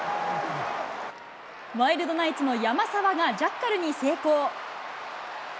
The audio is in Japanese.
ワイルドナイツの山沢がジャッカルに成功。